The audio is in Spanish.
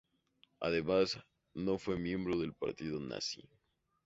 Además, no fue miembro del partido nazi.